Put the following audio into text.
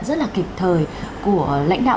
rất là kịp thời của lãnh đạo